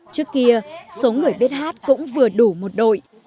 trước kia số người biết hát cũng vừa đủ một đội